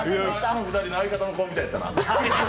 ２人の相方の子みたいやったな。